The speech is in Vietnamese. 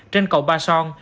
trên cầu ba son